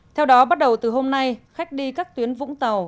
theo đó bắt đầu từ hôm nay khách đi các tuyến vũng tàu